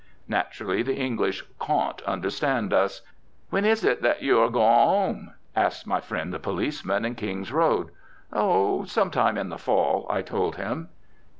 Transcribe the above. Naturally, the English caun't understand us. "When is it that you are going 'ome?" asked my friend, the policeman in King's Road. "Oh, some time in the fall," I told him.